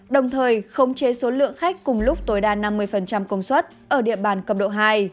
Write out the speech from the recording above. đồng thời khống chế số lượng khách cùng lúc tối đa năm mươi công suất ở địa bàn cấp độ hai